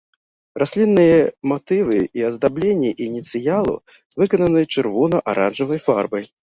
Раслінныя матывы і аздабленні ініцыялаў выкананы чырвона-аранжавай фарбай.